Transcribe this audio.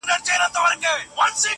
درد زغمي~